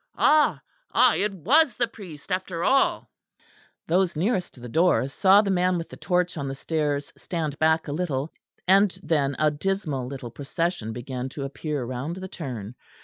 Ah! ah! it was the priest after all." Those nearest the door saw the man with the torch on the stairs stand back a little; and then a dismal little procession began to appear round the turn.